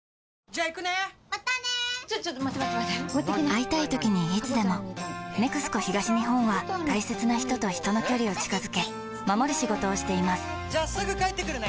会いたいときにいつでも「ＮＥＸＣＯ東日本」は大切な人と人の距離を近づけ守る仕事をしていますじゃあすぐ帰ってくるね！